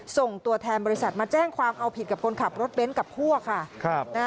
ส่งตัวแทนบริษัทมาแจ้งความเอาผิดกับคนขับรถเบ้นกับพวกค่ะ